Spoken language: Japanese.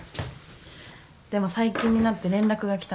でも最近になって連絡が来たんです。